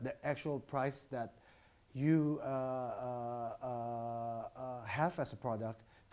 tetapi harga yang sebenarnya anda miliki